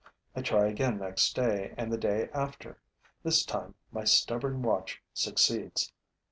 I try again next day and the day after. This time, my stubborn watch succeeds.